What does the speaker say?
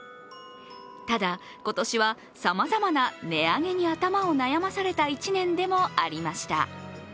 ただ、今年はさまざまな値上げに頭を悩まされた１年でもありました。